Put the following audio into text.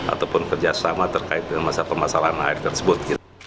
ataupun kerjasama terkait dengan permasalahan air tersebut